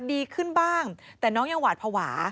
ดีขึ้นบ้างแต่น้องยังหวาดภาวะ